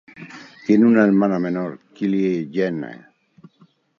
Tiene una hermana menor, Kylie Jenner.